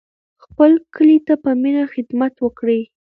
خپل کلي ته په مینه خدمت وکړئ.